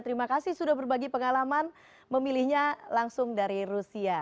terima kasih sudah berbagi pengalaman memilihnya langsung dari rusia